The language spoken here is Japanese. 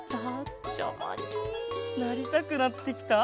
なりたくなってきた？